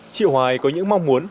chị hoài có những mong muốn